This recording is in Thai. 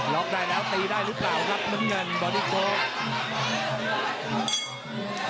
็อกได้แล้วตีได้หรือเปล่าครับน้ำเงินบอดี้โค